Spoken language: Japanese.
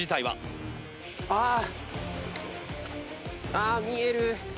あぁ見える！